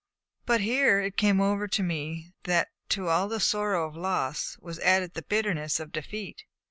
"But here it came over me that to all the sorrow of loss was added the bitterness of defeat.